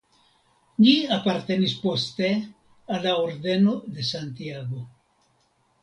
Ĝi apartenis poste al la Ordeno de Santiago.